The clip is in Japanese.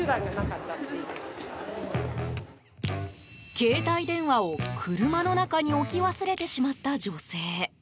携帯電話を車の中に置き忘れてしまった女性。